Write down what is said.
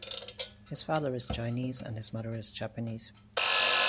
His father is Chinese and his mother is Japanese.